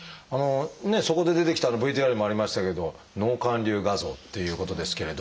そこで出てきたＶＴＲにもありましたけど脳灌流画像っていうことですけれど。